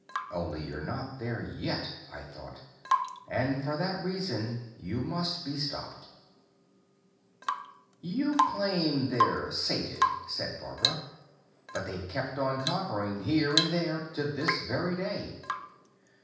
Only you're not there yet, I thought, and for that reason you must be stopped. "You claim they're sated," said Barbara. "But they've kept on conquering here and there, to this very day."